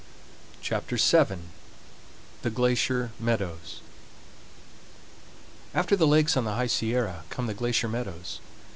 CHAPTER VII THE GLACIER MEADOWS After the lakes on the High Sierra come the glacier meadows.